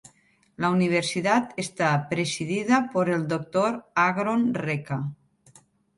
La Universidad está presidida por el Dr. Agron Reka.